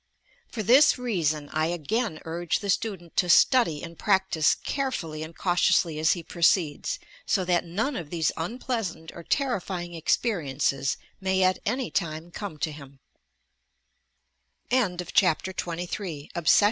For this reason I again urge the student to study and practice carefully and cautiously as he proceeds, so that none of these unj pleasant or terrifying experiences may at any time come to hiuL CHAPTER XXIV ^^^^ PRAYER.